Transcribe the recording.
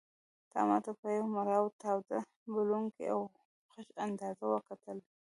تا ماته په یو مړاوي تاوده بلوونکي او خوږ انداز وکتل.